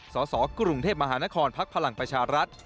สสกรุงเทพมหานครพักพลังประชารัฐ